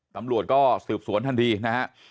ตำรวจก็สืบสวนทันทีนะฮะ